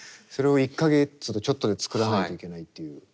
それを１か月とちょっとで作らないといけないっていう。